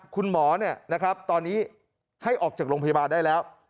คุณหมอตอนนี้ให้ออกจากโรงพยาบาลได้แล้ว